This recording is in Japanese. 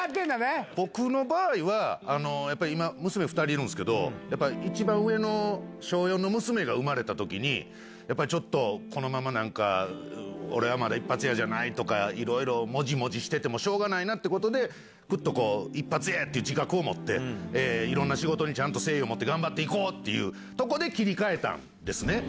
僕の場合は、やっぱり今、娘２人いるんですけど、やっぱ一番上の小４の娘が生まれたときに、やっぱりちょっと、このままなんか、俺はまだ一発屋じゃないとか、いろいろもじもじしててもしょうがないなってことで、ぐっとこう、一発屋やっていう自覚を持って、いろんな仕事にちゃんと誠意を持って頑張っていこうっていうとこで切り替えたんですね。